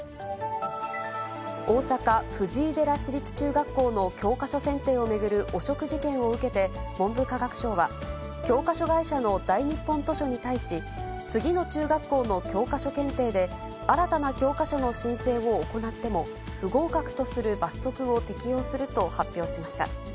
大阪・藤井寺市立中学校の教科書選定を巡る汚職事件を受けて文部科学省は教科書会社の大日本図書に対し、次の中学校の教科書検定で新たな教科書の申請を行っても、不合格とする罰則を適用すると発表しました。